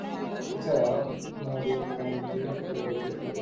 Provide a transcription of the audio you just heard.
এটি এছাড়াও দৈনিক নয়া দিগন্ত নামে একটি দৈনিক পত্রিকা রয়েছে এই প্রতিষ্ঠানের।